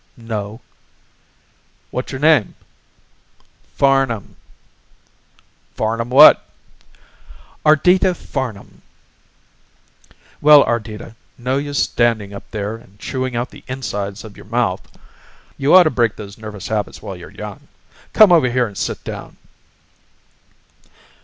"No." "What's your name?" "Farnam." "Farnam what?" "Ardita Farnam." "Well Ardita, no use standing up there and chewing out the insides of your mouth. You ought to break those nervous habits while you're young. Come over here and sit down."